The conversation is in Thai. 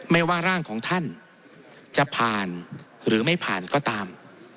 ไม่ว่าร่างของท่านจะผ่านหรือไม่ผ่านก็ตาม